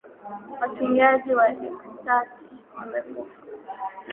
watumiaji wa ecstasy wamekufa Na